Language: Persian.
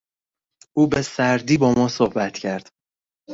او به سردی با ما صحبت کرد.